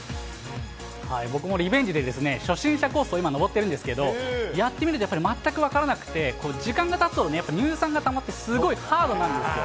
僕もリベンジで初心者コースを今、登ってるんですけど、やってみるとやっぱりまったく分からなくって時間がたつと乳酸がたまってすごいハードなんですよ。